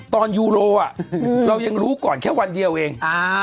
ยูโรเรายังรู้ก่อนแค่วันเดียวเอง